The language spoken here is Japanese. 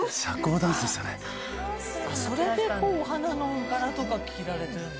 それでお花の柄とか着られてるの？